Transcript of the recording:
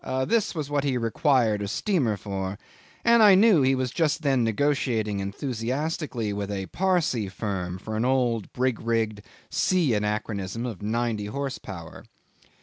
... This was what he required a steamer for, and I knew he was just then negotiating enthusiastically with a Parsee firm for an old, brig rigged, sea anachronism of ninety horse power.